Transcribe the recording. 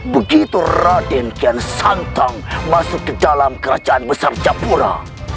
begitu raden kian santang masuk ke dalam kerajaan besar capura